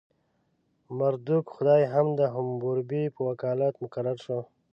مردوک خدای هم د حموربي په وکالت مقرر شو.